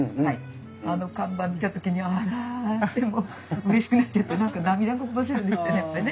あの看板見た時には「あら」ってもううれしくなっちゃって何か涙ぐませるよねやっぱね。